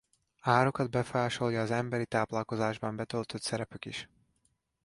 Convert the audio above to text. Árukat befolyásolja az emberi táplálkozásban betöltött szerepük is.